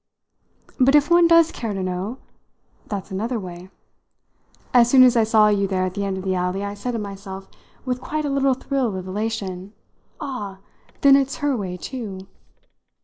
But if one does care to know, that's another way. As soon as I saw you there at the end of the alley I said to myself, with quite a little thrill of elation, 'Ah, then it's her way too!'